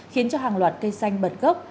khiến cho hàng loạt cây xanh bật gốc